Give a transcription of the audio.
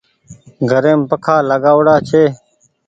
گھريم پکآ لآگوڙآ ڇي۔